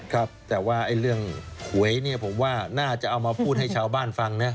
ครับแต่ว่าเรื่องหวยเนี่ยผมว่าน่าจะเอามาพูดให้ชาวบ้านฟังนะ